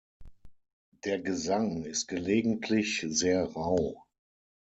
Der Gesang ist gelegentlich sehr rau.